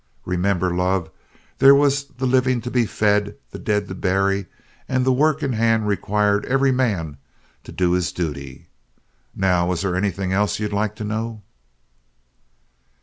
Remember, love, there was the living to be fed, the dead to bury, and the work in hand required every man to do his duty. Now was there anything else you'd like to know?"